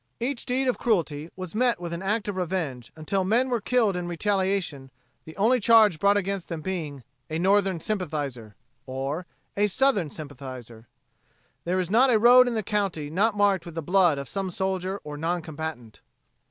Each deed of cruelty was met with an act of revenge, until men were killed in retaliation, the only charge brought against them being, "a Northern sympathizer," or "a Southern sympathizer." There is not a road in the county not marked with the blood of some soldier or non combatant.